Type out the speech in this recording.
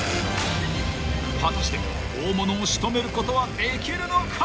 ［果たして大物を仕留めることはできるのか］